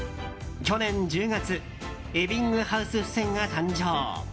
去年１０月エビングハウスフセンが誕生。